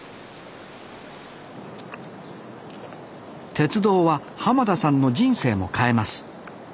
鉄道は田さんの人生も変えます。